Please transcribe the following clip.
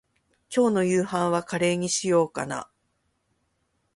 今日の夕飯はカレーにしようかな。